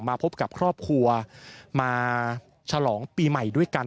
มาพบกับครอบครัวมาฉลองปีใหม่ด้วยกัน